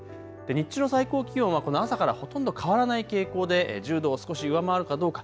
日中の最高気温は朝からほとんど変わらない傾向で１０度を少し上回るかどうか。